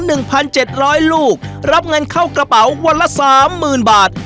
หนึ่งพันเจ็ดร้อยลูกรับกระเป๋าวันละสามมื้อบาท